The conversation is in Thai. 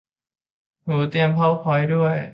หนูเตรียม พาวเวอร์พอยท์ ด้วย